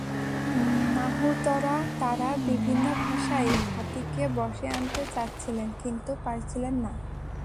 মাহুতরা তাঁরা বিভিন্ন ভাষায় হাতিকে বশে আনতে চাচ্ছিলেন কিন্তু পারছিলেন না।